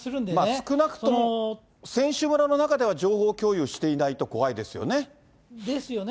少なくとも、選手村の中では、情報共有していないと怖いですよですよね。